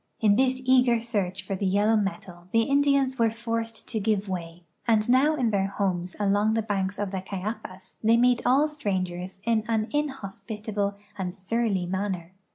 In this eager search for the yellow metal the In dians were forced to give way, and now in tiieir homes along the banks of the Cayapas the}'' meet all strangers in an inhospitable and surly manner.